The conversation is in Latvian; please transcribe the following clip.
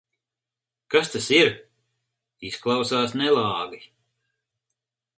Kas tas ir? Izklausās nelāgi.